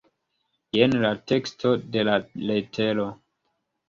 Jen la teksto de la letero.